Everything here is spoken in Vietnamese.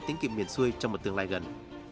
tính kiệm miền xuôi trong một tương lai gần